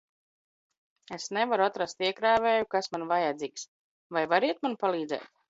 Es nevaru atrast iekrāvēju, kas man vajadzīgs. vai variet man palīdzēt?